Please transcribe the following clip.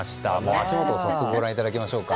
足元、ご覧いただきましょうか。